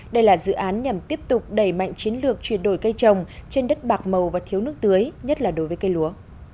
đây là dự án nhằm tiếp tục đẩy mạnh chiến lược chuyển đổi cây trồng trên đất bạc màu và thiếu nước tưới nhất là đối với cây lúa